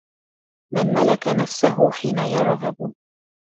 مَنْ مَلَكَ نَفْسَهُ حِينَ يَرْغَبُ